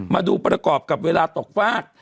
มาดูประกอบกับเวลาตกฟาก